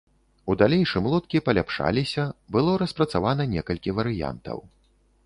У далейшым лодкі паляпшаліся, было распрацавана некалькі варыянтаў.